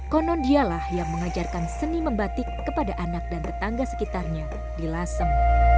konon dialah yang mengajarkan seni membatik kepada anak dan tetangga sekitarnya di lasem